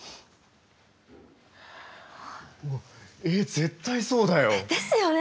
うわっえ絶対そうだよ！ですよね！